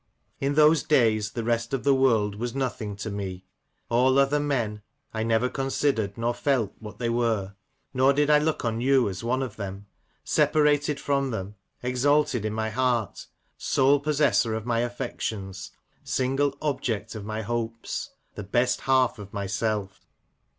In those days the rest of the world was nothing to me : all other men — I never considered nor felt what they were : nor did I look on you as one of them. Separated from them ; exalted in my heart ; sole possessor of my affections ; single object of my hopes, the best half of myself.